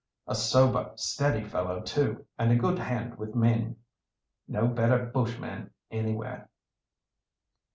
A sober, steady fellow, too, and a good hand with men. No better bushman anywhere."